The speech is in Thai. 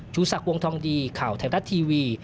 สักวงทองดีข่าวไทยรัฐทีวี